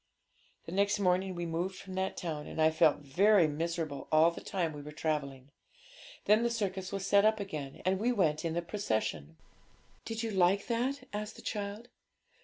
The next day we moved from that town; and I felt very miserable all the time we were travelling. Then the circus was set up again, and we went in the procession.' 'Did you like that?' asked the child.